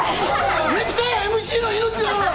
ネクタイはＭＣの命だろうが！